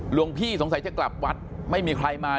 หลวงพี่สงสัยจะกลับวัดไม่มีใครมา